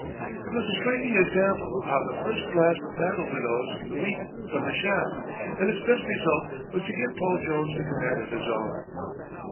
It was a striking example of how the first blast of battle winnows the wheat from the chaff, and its best result was to give Paul Jones a command of his own.